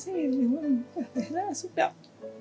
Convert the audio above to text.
thì mình cảm thấy rất là xúc động